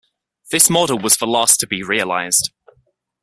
This model was the last to be realized.